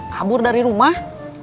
kabur dari rumah